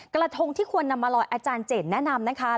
กระทงที่ควรนำมาลอยอาจารย์เจนแนะนำนะคะ